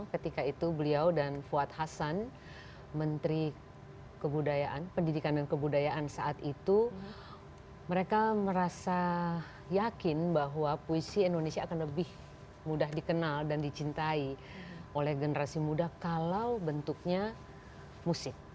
ketika itu beliau dan fuad hasan menteri kebudayaan pendidikan dan kebudayaan saat itu mereka merasa yakin bahwa puisi indonesia akan lebih mudah dikenal dan dicintai oleh generasi muda kalau bentuknya musik